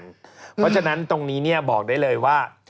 เพราะฉะนั้นตรงนี้บอกได้เลยว่า